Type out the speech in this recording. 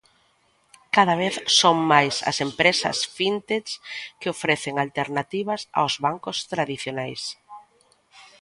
Cada vez son máis as empresas fintech que ofrecen alternativas aos bancos tradicionais.